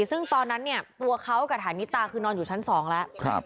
ซึ่งตอนนั้นเนี่ยตัวเขากับฐานิตาคือนอนอยู่ชั้น๒แล้ว